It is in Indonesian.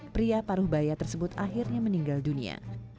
pria paruh baya tersebut akhirnya meninggal dunia